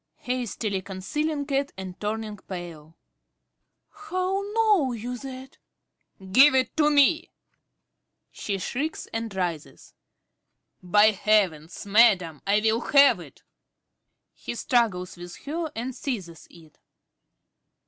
~Dorothy~ (hastily concealing it and turning pale). How know you that? ~Carey~. Give it to me! (She shrieks and rises.) By heavens, madam, I will have it! (_He struggles with her and seizes it.